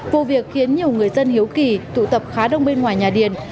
vụ việc khiến nhiều người dân hiếu kỳ tụ tập khá đông bên ngoài nhà điền